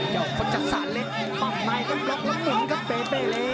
เจ้าพ่อจัดสารเล็กปับนายยังยังเห็นกับเปเปเล้ย